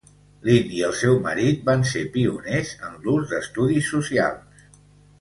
Lynd i el seu marit van ser pioners en l'ús d'estudis socials.